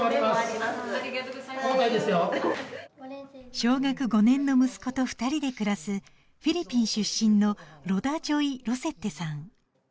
小学５年の息子と二人で暮らすフィリピン出身のロダ・ジョイ・ロセッテさん